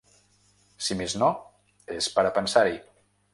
Si més no és per a pensar-hi.